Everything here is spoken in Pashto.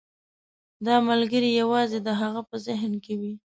دا ملګری یوازې د هغه په ذهن کې وي.